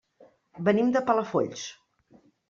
Venim de Palafolls.